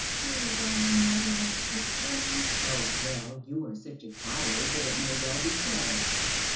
Here's another affliction!" "Oh, well, you are such a coward, that it may well be so."